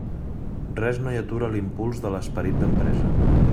Res no hi atura l'impuls de l'esperit d'empresa.